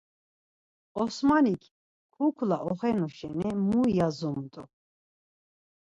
Osmanik kukla oxenu şeni mu yazumt̆u?